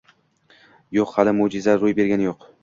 Yo`q, hali mo`jiza ro`y bergani yo`q